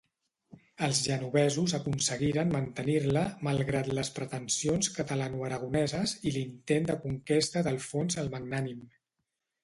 Els genovesos aconseguiren mantenir-la malgrat les pretensions catalanoaragoneses i l'intent de conquesta d'Alfons el Magnànim.